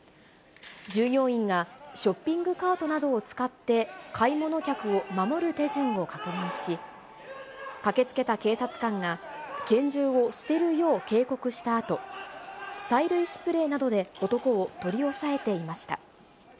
従業員がショッピングカートなどを使って、買い物客を守る手順を確認し、駆けつけた警察官が、拳銃を捨てるよう警告したあと、催涙スプレーなどで男を取り押さえていました。